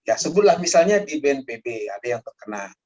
ya sebutlah misalnya di bnpb ada yang terkena